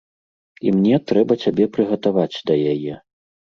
І мне трэба цябе прыгатаваць да яе.